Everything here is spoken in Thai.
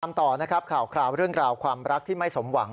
ต่อนะครับข่าวเรื่องราวความรักที่ไม่สมหวัง